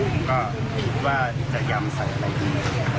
ผมก็คิดว่าจะยำใส่ใดดี